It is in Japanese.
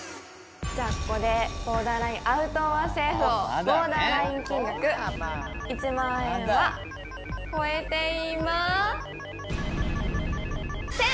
じゃあここでボーダーラインアウトｏｒセーフをボーダーライン金額１万円は超えていません！